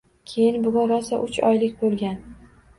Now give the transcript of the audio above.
Keyin bugun rosa uch oylik bo‘lgan.